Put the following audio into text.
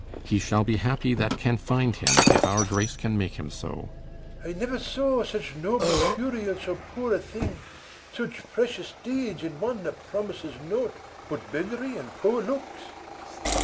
He shall be happy that can find him, if Our grace can make him so. BELARIUS. I never saw Such noble fury in so poor a thing; Such precious deeds in one that promis'd nought But beggary and poor looks.